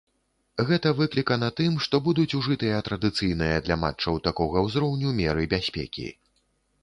Гэта выклікана тым, што будуць ужытыя традыцыйныя для матчаў такога ўзроўню меры бяспекі.